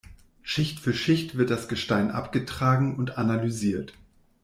Schicht für Schicht wird das Gestein abgetragen und analysiert.